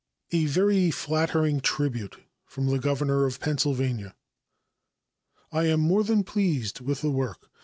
A Very Flattering Tribute from the Governor of Pennsylvania. I am more than pleased with the work.